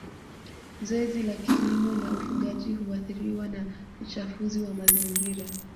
Zoezi la kilimo na ufugaji huathiriwa na uchafuzi wa mazingira